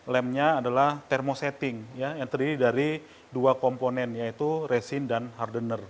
lemnya adalah termosetting yang terdiri dari dua komponen yaitu resin dan hardenner